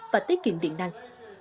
và tiết kiệm điện năng